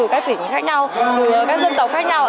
từ các tỉnh khác nhau từ các dân tộc khác nhau